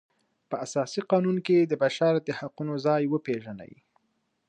په اساسي قانون کې د بشر د حقونو ځای وپیژني.